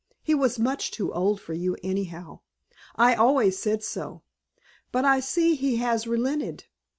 He was much too old for you anyhow. I always said so. But I see he has relented.